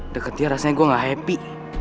deket ya rasanya gue gak happy